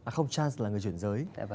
không chance là người chuyển giới